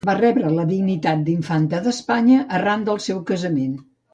Va rebre la dignitat d'infanta d'Espanya arran del seu casament.